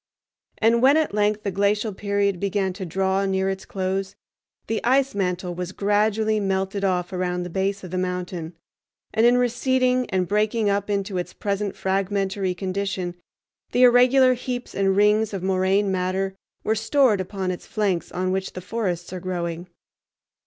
And when at length the glacial period began to draw near its close, the ice mantle was gradually melted off around the base of the mountain, and in receding and breaking up into its present fragmentary condition the irregular heaps and rings of moraine matter were stored upon its flanks on which the forests are growing.